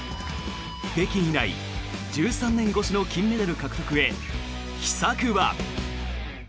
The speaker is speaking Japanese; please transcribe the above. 北京以来１３年越しの金メダル獲得へ、秘策は。